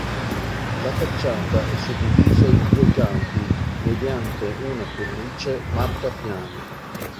La facciata è suddivisa in due campi mediante una cornice marcapiano.